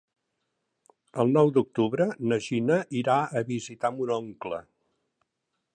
El nou d'octubre na Gina irà a visitar mon oncle.